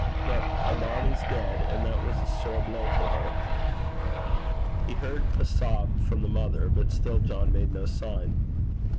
But her bairnie's deid, an' that was a sair blow till her.' He heard a sob from the mother, but still John made no sign.